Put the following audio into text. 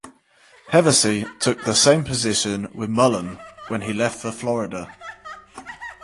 Hevesy took the same position with Mullen when he left for Florida.